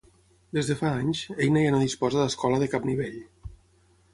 Des de fa anys, Eina ja no disposa d'escola de cap nivell.